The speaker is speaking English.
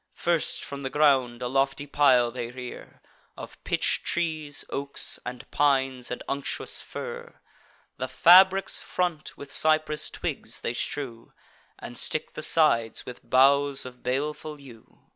First, from the ground a lofty pile they rear, Of pitch trees, oaks, and pines, and unctuous fir: The fabric's front with cypress twigs they strew, And stick the sides with boughs of baleful yew.